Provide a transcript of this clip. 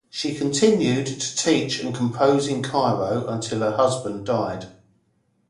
She continued to teach and compose in Cairo until her husband died.